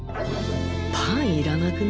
パンいらなくね？